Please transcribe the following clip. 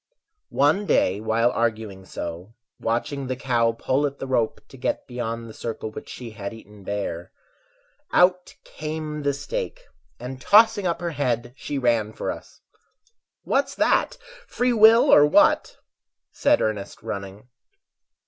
One day while arguing so, watching the cow Pull at the rope to get beyond the circle Which she had eaten bare, Out came the stake, and tossing up her head, She ran for us. "What's that, free will or what?" said Ernest, running.